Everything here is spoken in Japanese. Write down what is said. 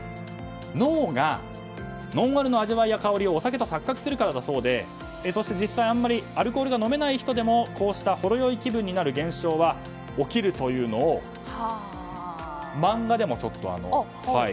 脳がノンアルの味わいや香りをお酒と錯覚するからだそうでそして実際あんまりアルコールが飲めない人もこうしたほろ酔いの現象は起きるというのを漫画でも。